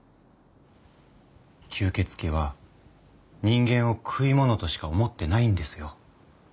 吸血鬼は人間を食い物としか思ってないんですよ。